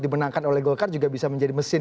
dimenangkan oleh golkar juga bisa menjadi mesin